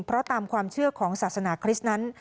เพราะตามความเชื่อของศาสนาคริสต์นั้น